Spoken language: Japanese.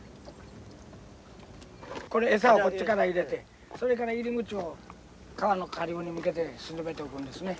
これ餌をこっちから入れてそれから入り口を川の下流に向けて沈めておくんですね。